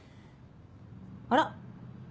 あら？